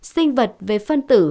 sinh vật về phân tử